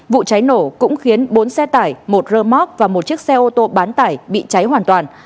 vụ cháy nổ cũng khiến bốn xe tải một rơ móc và một chiếc xe ô tô bán tải bị cháy hoàn toàn